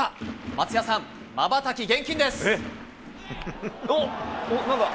松也さん、まばたき厳禁です。